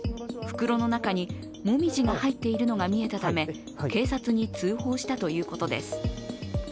袋の中にもみじが入っているのが見えたため警察に通報したということです。